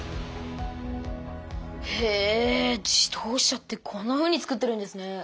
へえ自動車ってこんなふうにつくってるんですね。